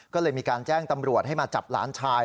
ก็เลยมีการแจ้งตำรวจให้มาจับหลานชาย